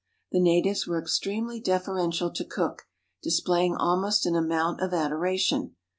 The natives were extremely deferential to Cook, displaying almost an amount of adoration.